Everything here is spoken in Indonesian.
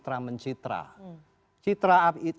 tidak ada korelasinya dengan citra mencitra